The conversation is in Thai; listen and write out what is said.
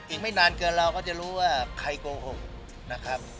อีกไม่นานเกินเราก็จะรู้ว่าใครโกหกนะครับ